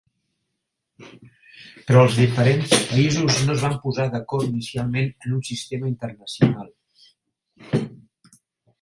Però els diferents països no es van posar d"acord inicialment en un sistema internacional.